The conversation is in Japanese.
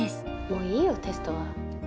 もういいよテストは。